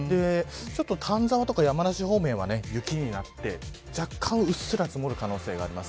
丹沢とか山梨方面は雪になって若干うっすら積もる可能性があります。